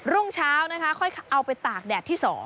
รุ่งเช้านะคะค่อยเอาไปตากแดดที่๒